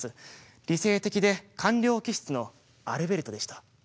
理性的で官僚気質のアルベルトでした。